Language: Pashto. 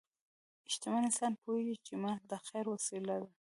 شتمن انسان پوهېږي چې مال د خیر وسیله ده.